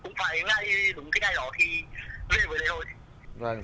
cũng phải ngay đúng cái ngày đó thì về với lễ hội